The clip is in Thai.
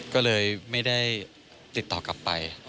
ก็เลยไม่ได้ติดต่อกลับไป